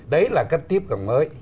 đấy là cách tiếp cận mới